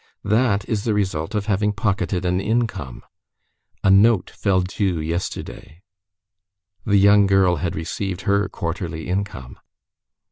That is the result of having pocketed an income; a note fell due yesterday. The young girl had received her quarterly income.